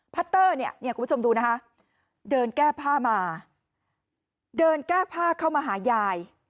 เตอร์เนี่ยคุณผู้ชมดูนะคะเดินแก้ผ้ามาเดินแก้ผ้าเข้ามาหายาย